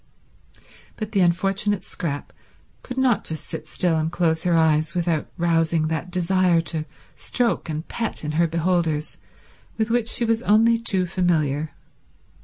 But the unfortunate Scrap could not just sit still and close her eyes without rousing that desire to stroke and pet in her beholders with which she was only too familiar.